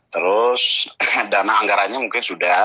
terus dana anggarannya mungkin sudah